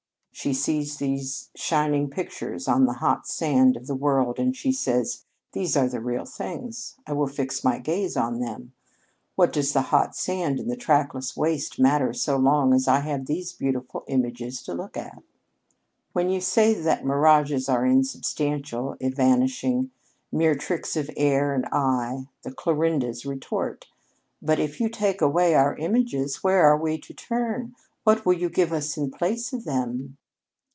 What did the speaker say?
She sees these shining pictures on the hot sand of the world and she says: 'These are the real things. I will fix my gaze on them. What does the hot sand and the trackless waste matter so long as I have these beautiful mirages to look at?' When you say that mirages are insubstantial, evanishing, mere tricks of air and eye, the Clarindas retort, 'But if you take away our mirages, where are we to turn? What will you give us in the place of them?'